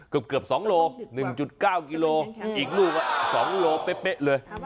เกือบ๒โล๑๙กิโลอีกลูก๒โลเป๊ะเลย